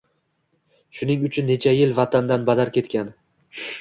Shuning uchun necha yil vatandan badar ketgan.